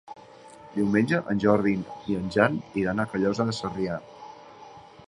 Diumenge en Jordi i en Jan iran a Callosa d'en Sarrià.